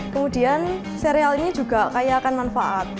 kemudian serial ini juga kaya akan manfaat